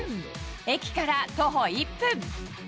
駅から徒歩１分。